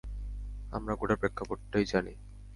আমরা গোটা প্রেক্ষাপটটাই জানি।